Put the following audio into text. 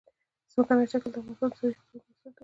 ځمکنی شکل د افغانستان د ځایي اقتصادونو بنسټ دی.